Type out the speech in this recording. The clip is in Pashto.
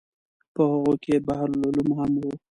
په هغو کې بحر العلوم هم و.